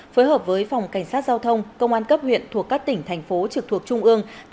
phối hợp với phòng cảnh sát giao thông công an cấp huyện thuộc các tỉnh thành phố trực thuộc trung ương